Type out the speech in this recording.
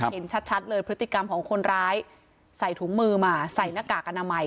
เห็นชัดเลยพฤติกรรมของคนร้ายใส่ถุงมือมาใส่หน้ากากอนามัย